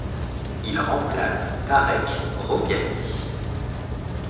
Il remplace Tarek Robbiati.